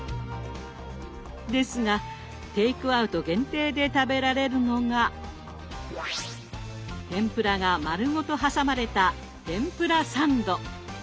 ですがテイクアウト限定で食べられるのが天ぷらが丸ごと挟まれた天ぷらサンド。